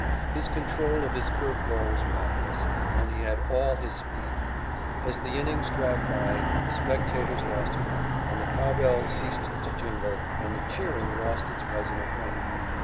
His control of his curved ball was marvellous, and he had all his speed. As the innings dragged by, the spectators lost heart, and the cowbells ceased to jingle, and the cheering lost its resonant ring.